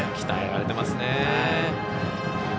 鍛えられてますね。